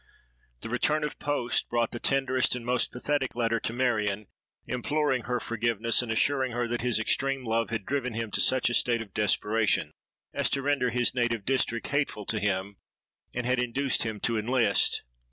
The return of post brought the tenderest and most pathetic letter to Marion, imploring her forgiveness, and assuring her that his extreme love had driven him to such a state of desperation as to render his native district hateful to him, and had induced him to enlist.